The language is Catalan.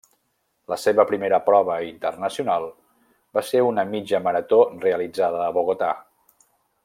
La seva primera prova internacional va ser una mitja marató realitzada a Bogotà.